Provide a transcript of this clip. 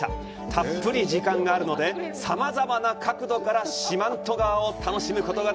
たっぷり時間があるので、さまざまな角度から四万十川を楽しめます。